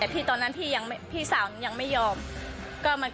แต่พี่ตอนนั้นพี่สาวหนูยังไม่ยอม